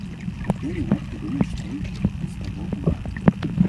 Я не мог придумать, что из того выйдет.